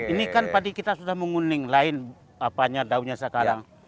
ini kan padi kita sudah menguning daunnya sekarang